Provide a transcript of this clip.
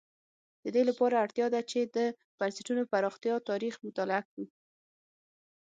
د دې لپاره اړتیا ده چې د بنسټونو پراختیا تاریخ مطالعه کړو.